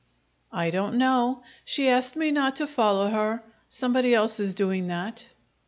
"I don't know. She asked me not to follow her. Somebody else is doing that."